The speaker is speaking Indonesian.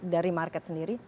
dari market sendiri